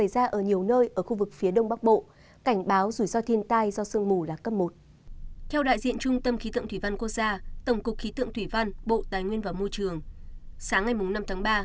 cũng theo cơ quan khí tượng thủy văn quốc gia trong sáng và đêm nay ngày năm tháng ba